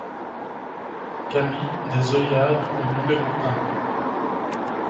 Cami des Oeillades au numéro un